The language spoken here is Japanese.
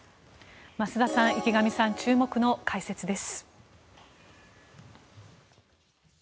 増田さん、池上さん注目の解説です。